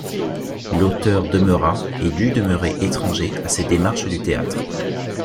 L’auteur demeura et dut demeurer étranger à ces démarches du théâtre.